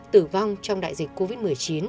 tử vong trong đại dịch covid một mươi chín